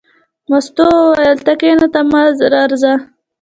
مستو وویل: ته کېنه ته مه ورځه.